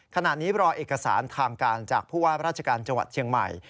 ขณะนี้รอเอกสารทางการจากผู้ว่าราชการจังหวัดเชียงใหม่